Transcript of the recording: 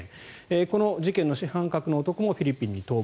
この事件の主犯格の男もフィリピンに逃亡。